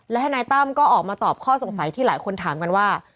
และทนายตั้มก็ออกมาตอบข้อสงสัยที่หลายคนถามกันว่า